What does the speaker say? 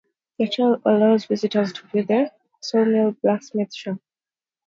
The trail allows visitors to view the gristmill, sawmill, and blacksmith shop.